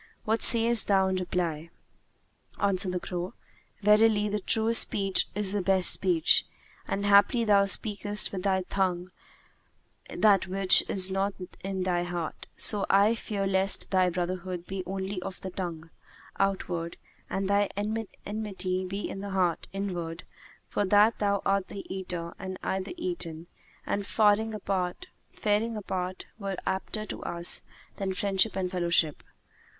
What sayest thou in reply?" Answered the crow, "Verily, the truest speech is the best speech; and haply thou speakest with thy tongue that which is not in thy heart; so I fear lest thy brotherhood be only of the tongue, outward, and thy enmity be in the heart, inward; for that thou art the Eater and I the Eaten, and faring apart were apter to us than friendship and fellowship.